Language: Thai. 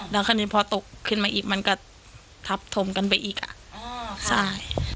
แล้วคราวนี้พอตกขึ้นมาอีกมันก็ทับถมกันไปอีกอ่ะอ๋อใช่